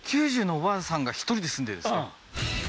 ９０のおばあさんが１人で住んでるんですか？